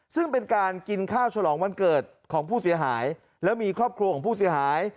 ซึ่งเป็นการกินข้าวฉลองวันเกิดของผู้เสียหาย